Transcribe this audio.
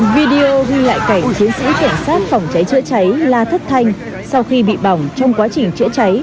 video ghi lại cảnh chiến sĩ cảnh sát phòng cháy chữa cháy la thất thanh sau khi bị bỏng trong quá trình chữa cháy